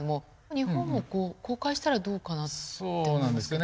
日本も公開したらどうかなって思いますけど。